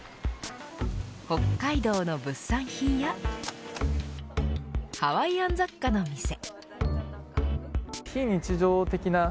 北海道の物産品やハワイアン雑貨の店。